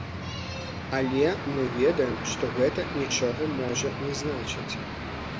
Але мы ведаем, што гэта нічога можна не значыць.